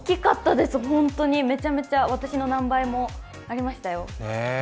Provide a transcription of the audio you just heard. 本当にめちゃめちゃ、私の何倍もありましたよ。